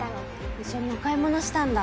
一緒にお買い物したんだ。